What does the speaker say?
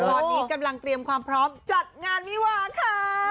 ตอนนี้กำลังเตรียมความพร้อมจัดงานวิวาค่ะ